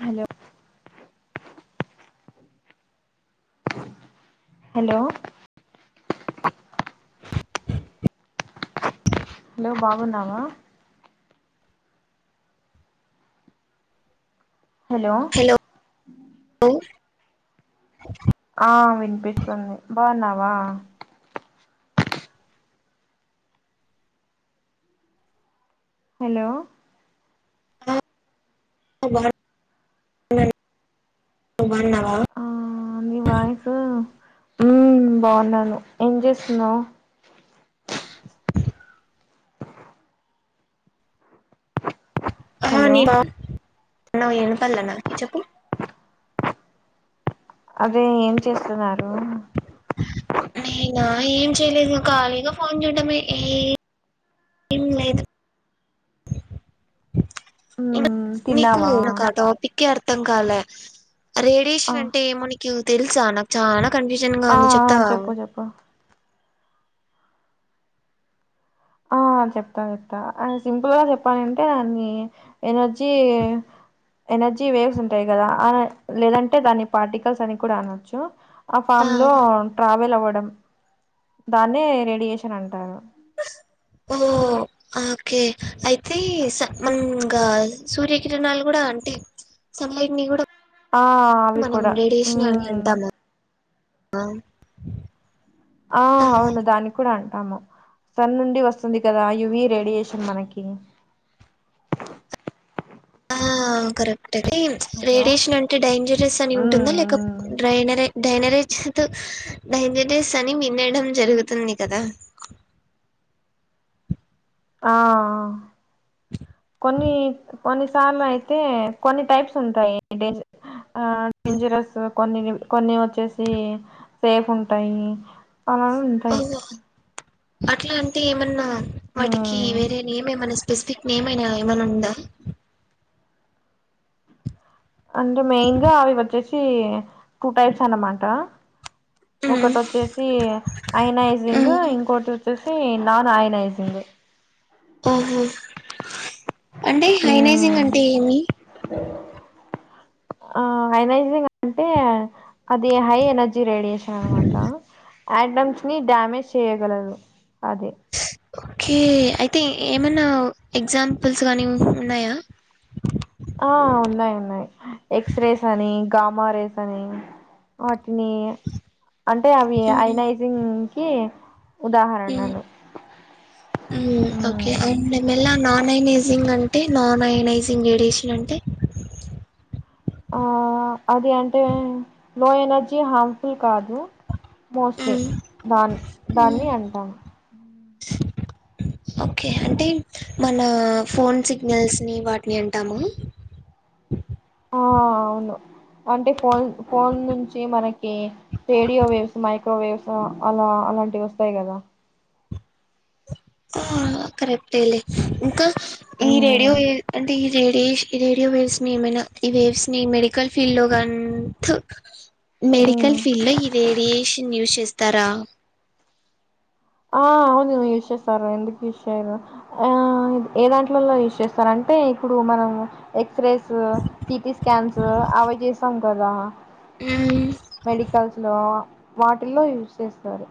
Hello hello hello బాగున్నావా hello అ [inaudible] ఆ వినిపిస్తుంది బాగున్నావా హలో [unintelligible] ఆ నీ వాయిసు ఉం బాగున్నాను ఏం చేస్తున్నావ్ ఆ హలో నేను బాగున్నా వెనపల్ల నాకి చెప్పు అదే ఏం చేస్తున్నారు నేనా ఏం చేయలేదు ఖాళీగా ఫోన్ చూటమే ఏ ఏం లేదు మ్మ్ నీకు తిన్నావా ఆ టాపిక్ కే అర్ అర్ధం కాలే ఆ రేడియేషన్ అంటే ఏమనక్యూ తెలుసా నచాణ కన్ఫ్యూషన్ గా ఆ ఉంది చెప్పుతావా చెప్పు చెప్పు ఆ చెప్తా చెప్తా ఆ సింపుల్ గా చెప్పాలంటే అన్ని ఎనర్ జీ ఎనర్జీ వేవ్స్ ఉంటాయి కదా అ లేదంటే దాని పార్టికల్స్ అని కూడా అనొచ్చు ఆ ఫామ్ లో ట్రావెల్ అవ్వడం దాన్నే రేడియేషన్ అంటారు ఓ ఓకే అయితే సమంగ సూర్యకిరణాలు కూడా అంటే సన్లైట్ ని కూడా ఆ అవి మనం కూడా ఉమ్ అ ఆ అవును దాని కూడా అం అమ సన్ నుండి వస్తుంది కదా యువి రేడియేషన్ మనకి ఆ కరట్ తాత్తిమ్ హలో రేడియేషన్ అంటే డైంజరస్ అని ఉమ్ ఉంటుందా లేక ఉమ్ డ్రైనర్ ఏ ధైనరిజుతు దైనాజీస్ అని వినడం జరుగుతుంది కదా ఆ కొన్ని కొన్నిసార్లు అయితే కొన్ని టైప్స్ ఉంటాయి డేస్ ఆ డేంజరస్ కొన్ని కొన్ని వచ్చేసి సేఫ్ ఉంటాయి పలాలు ఓ ఉంటాయి అట్లా అంటే ఏమన్నా వాటికి మ్మ్ వేరే నేమ్ ఏమైన సేపు స్పెసిఫిక్ నేమ్ అయినా ఏమైనా ఉందా అంటే మెయిన్ గా ఆవి వచ్చేసి ఇది టు టైప్స్ అన్నమాట మ్మ్. ఒకటి వచ్చేసి ఐనాజింగ్ మ్మ్. ఇంకోటి వచ్చేసి హే నా ఆయనయేసిందే ఆహా అంటే హైనైజింగ్ మ్మ్ అంటే ఏమి ఆ హై నైజింగ్ అంటే అది హై ఎనర్జీ జి రేడియేషన్ అన మాట ఐటమ్స్ ని డ్యామేజ్ చేయగలరు అది ఓకే అయితే ఏమన్నా ఎగ్జాంపుల్స్ కానీ ఉన్నాయా ఓ ఉన్నాయి ఉన్నాయి ఎక్స్ రేస్ అని గామ రేస్ అని ని అంటే అవి ఐనైజింగ్ కి హ్మ్మ్ ఉదాహరణలు ఉమ్ కే మ్మ్ అంమె నాన్ఐంగ్ అం హే నాన్ అయనైజింగ్ రేడియేషన్ అంటే ఆ అది అంటే లో ఎనర్జీ హర్మ్ఫుల్ కాదు మోస్ల్లి మ్మ్. దాన్ని మ్మ్. దాన్ని అంటాము ఓకే అంటే మన ఫోన్ సిగ్నల్స్ని వాటిని అంటామ ఆ అవును అంటే ఫోన్ ఫోన్ నుంచి మనకి రేడియో వేవ్స్ మైక్రోవేవ్స్ అలా అలాంటివి వస్తాయి కదా ఆ కరెక్ట్లే ఇంకా ఈ రేడి ఉమ్ ఏ అంటి రేడేయెష ఈ రేడియో వేవ్స్ ని ఏమైనా ఈ వేవ్స్ ని మెడికల్ ఫీల్డ్ లో గాని మెడికల్ ఉమ్ ఫీల్డ్ లో ఈ రేడియేషన్ యూజ్ చే తర ఆ అవును యూజ్ చేస్తారు ఎందుకు యూస్ చేయరు ఏ దాంట్లలో యూజ్ చేస్తారు అంటే ఇప్పుడు మనం ఎ ఎక్స రేస్ సిటి స్కాన్స్ అవి చేసాం కథ హ్మ్ లో వాటిల్లో యూజ్ చేస్తారు.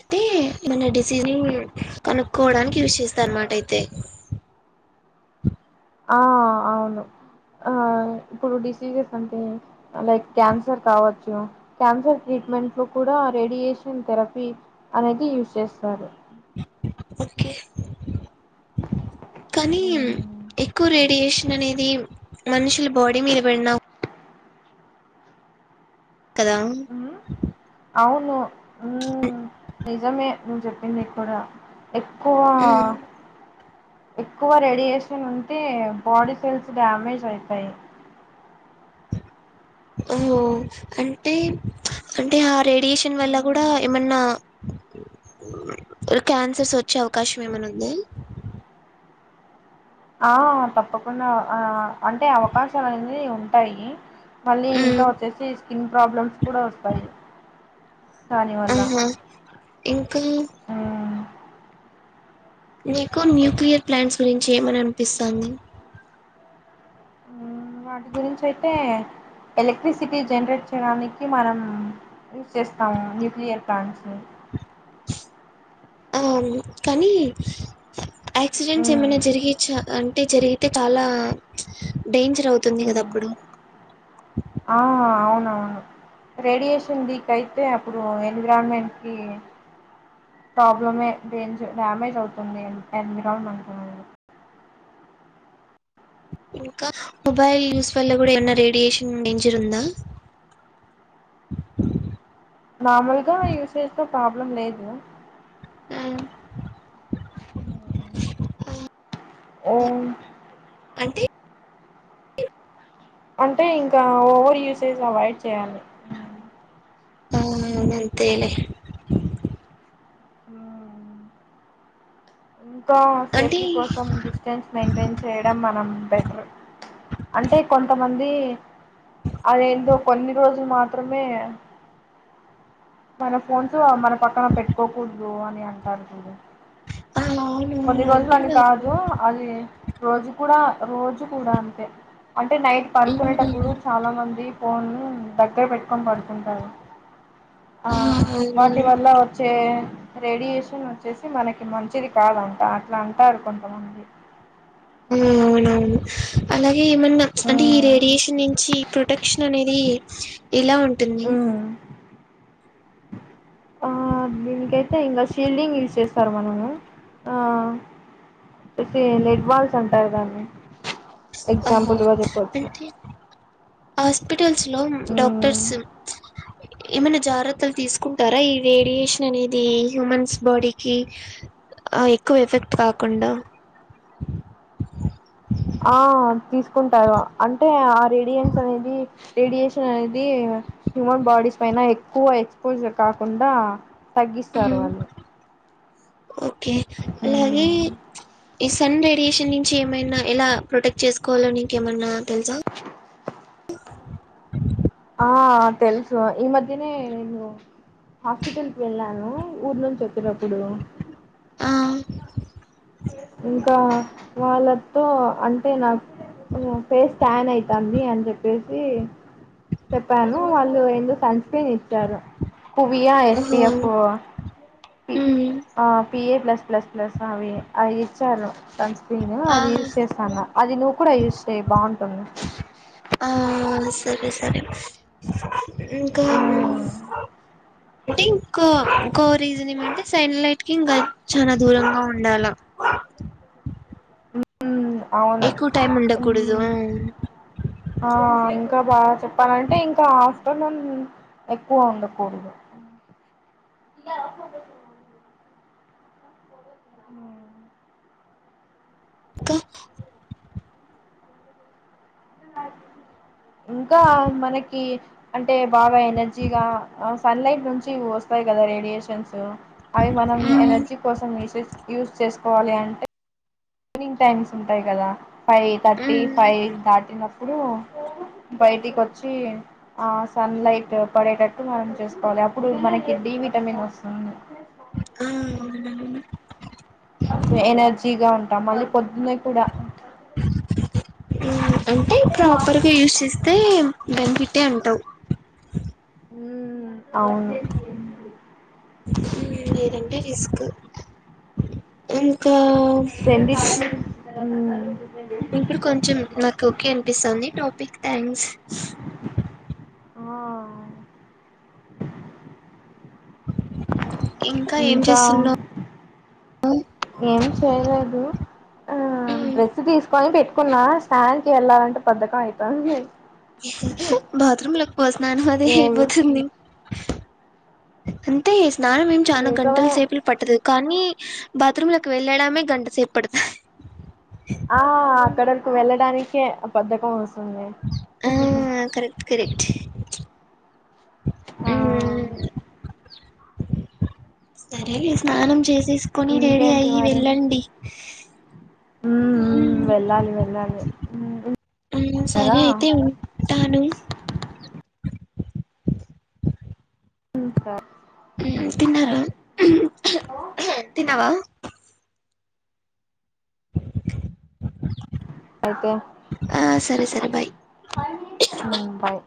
అయితే మన డిసిజన్ కనుక్కోడానికి యూస్ చేస్తా అన్నమాట అయితే ఆ అవును ఇప్పుడు డిసీజెస్ అంటే లైక్ క్యాన్సర్ కావచ్చు క్యాన్సర్ ట్రీట్మెంట్ లో కూడా రేడియేషన్ థెరపీ అనేది యూజ్ చేస్తారు ఓకే కానీ హ్మ్. ఎక్కువ రేడియేషన్ అనేది మనుషుల బాడీ మీద పడిన కదా! హుమ్ అవును హమ్ నిజమే నువ్ చెప్పింది కూడా ఎక్కువ హ్మ్. ఎక్కువ రేడియేషన్ ఉంటే బాడీ సెల్స్ డ్యామేజ్ అయితాయి ఓ అంటే అంటే రేడియేషన్ వల్ల కూడా ఏమన్నా క్యాన్సర్స్ వచ్చే అవకాశం ఏమైనా ఉందా ఆ తప్పకుండా ఆ అంటే అవకాశాలు అనేది ఉంటాయి మళ్ళీ ఇంకా ఉమ్ వచ్చేసి స్కిన్ ప్రాబ్లమ్స్ కూడా వస్తాయి దానివల్ల ఆహా ఇంకా మ్మ్ నీకు న్యూక్లియర్ ప్లాంట్స్ గురించి ఏమని అనిపిస్తంది వాటి గురించి అయితే ఎలక్ట్రిసిటీ జనరేట్ చేయడానికి మనం యూస్ చేస్తాము న్యూక్లియర్ ప్లాంట్స్ అమ్మ్ కానీ యాక్సిడెంట్స్ మ్మ్ ఏమనా జరిగే చ్చ ఆ అంటే జరిగితే చాలా డేంజర్ అవుతుంది కదా అప్పుడు ఆ అవునవును రేడియేషన్ వీక్ అయితే అప్పుడు ఎన్విరాన్మెంట్కి ప్రాబ్లమే, డేంజర్, డ్యామేజ్ అవుతుంది. ఎన్విరాన్మెంటు ఇంకా మొబైల్ యూస్ వల్ల కూడా ఏమన్న రేడియేషన్ డేంజరూందా నార్మల్గా యూస్ చేస్తాం. ప్రాబ్లం లేదు. ఆహ్ ఆమ్ ఓం అంటే అంటే ఇంకా ఓవర్ యూసేజ్ అవాయిడ్ చేయాలి. ఓ అవునవున్ అంతేలే ఉహ్ సో అంటే సేఫ్టీ కోసం డిస్టెన్స్ మెయింటైన్ చేయడం. మనం బెట్రూ అంటే కొంతమంది. అదేంటో కొన్ని రోజులు మాత్రమే మన ఫోన్స్ మన పక్కన పెట్టుకోకూడదు. అని అంటారు చూడూ ఆ అవును కొన్ని అవును రోజులు అని అంటున్నారు కాదు. అది రోజు కూడా రోజు కూడా అంతే అంటే నైట్ పనుకునేటప్పుడు ఉమ్ చాలామంది. ఫోన్ దగ్గర పెట్టుకొని పడుకుంటారు. ఆ ఆహ్ వాటి అవునవును వల్ల వచ్చే రేడియేషన్ వచ్చేసి మనకి మంచిది. కాదంటా అట్లా అంటరూ కొంతమంది. ఉహ్ అవునవును అలాగే గే ఏమన్నా అంటే ఈ ఉమ్ రేడియేషన్ నుంచి ప్రొటెక్షన్ అనేది. ఎలా ఉంటుంది ఉమ్ ఆహ్ దీనికైతే ఇంకా షీల్డింగ్ యూజ్ చేస్తారు. మనము ఆహ్ అయితే లెడ్ బాల్స్ అంటారు దాన్ని. అహో ఎగ్జాంపుల్గా అంటే హాస్పిటల్స్ లో డాక్టర్స్ చెప్పచ్చు ఏమైనా జాటిత్తలు తీసుకుంటారా. ఈ రేడియేషన్ అనేది హ్యూమన్స్ బాడీకిి ఆ ఎక్కువ ఎఫెక్ట్ కాకుండా ఆ తీస్ కుంటారు అంటే ఆ రేడియన్స్ అనేది రేడియేషన్ అనేది హ్యూమన్ బాడీస్ పైన ఎక్కువ ఎక్సపోజర్ కాకుండా. తగ్గిస్తారు హ్మ్. వాళ్ళు ఓకే అలాగే ఇస్ సన్ రేడియేషన్ నుంచి ఏమైనా ఎలా ప్రొటెక్ట్ చేసుకోవాలో నీకేమన్నా తెలుసా ఉహూ ఆ తెలుసు ఈ మధ్యనే నేను హాస్పిటల్కి వెళ్ళాను ఊరు నుంచి వచ్చినప్పుడు ఆ ఇంకా వాళ్ళతో అంటే నాకు హ్మ్ పేస్ టాన్ అయితంది అని చెప్పేసి చెప్పాను వాళ్ళు ఎందుకు సన్స్క్రీన్ నిచ్చారు కువియా ఓహో! ఎస్పిఎఫ్ హ్మ్. ఆ పిఏ ప్లస్ ప్లస్ ప్లస్ అవి అవి ఇచ్చారు సన్ స్క్రీన్ ఆ! అది యూస్ చేస్తాన్న అది నువ్ కూడా యూస్ చెయ్యి బాగుంట టుంది ఆ సరే సరే ఇంకా ఉమ్ అంటే ఇంకా ఇంకో రీజన్ ఏమంటే సన్లైట్ కి ఇంకా చాలా దూరంగా ఉండాల అ అవును ఎక్కువ టైం ఉండకూడదు ఆ ఇంకా బాగా చెప్పాలంటే ఇంకా ఆఫ్టర్నూన్ ఎక్కువ ఉండ కూడదు హ ఇంకా ఇంకా మనకి అంటే బాగ ఎనర్జీగా ఏ సన్లైట్ నుంచి వస్తాయి కదా రేడియేషన్స్ అవి మనం మ్మ్ ఎనర్జీ కోసం యూస్ యూస్ చేస్త కోవాలి అంటే ఈవినింగ్ టైమ్స్ ఉంటాయి కదా ఫైవ్ థర్టీ మ్మ్ ఫైవ్ థటీనో ఇప్పుడు బయటికి వచ్చి ఆ సన్ లైట్ పడేటట్టు మనం చేసుకోవాలి అప్పుడు మనకి డి విటమిన్ వస్తుంది ఆ అవునండి ఎనర్జీగా ఉంటాం మళ్ళీ పొద్దున కూడా అ [unintelligible] అంటే ప్రాపర్గా యూస్ చేస్తే బెనిఫిటే అంటవు అ [inaudible] ఉం లేదంటే రిస్క్ ఇంకా పెండి ఇప్పుడు కొంచెం నాకు ఓకే అనిపిస్తుంది టాపిక్ థ్యాంక్స్ ఆ [unintelligible] ఏం ఇంకా చేస్తున్నావు ఏం చేయలేదు ఆ ఉమ్, డ్రెస్ తీసుకొని పెట్టు కున్నా స్నానంకి వెళ్ళాలంటే బద్ధకం అయితంది బాత్రూమ్లలకు పో స్నానం అదే ఏం అయిపోతుంది అంతే స్నానం ఏం చానా నిజమే గంటలసేపు పట్టదు కానీ బాత్రూమ్ కి వెళ్ళడమే గంటసేపు పడుతది ఆ అక్కడకి వెళ్ళడానికే బద్ధకం వస్తుంది ఆ కరెక్ట్ కరెక్ట్ ఆ మ్మ్ సరేలే స్నానం చేసి తీసుకొని రెడీ ఇంకేంటి అయ్యి మరి వెళ్ళండి మ్మ్ మ్మ్ వెళ్ళాలి వెళ్ళాలి మ్మ్ ఆ ఉంటారా సరే అయితే ఉంటాను ఇ కా తిన్నారా తిన్నావా [inaudible] అయితే ఆ సరే సరే బాయ్ బాయ్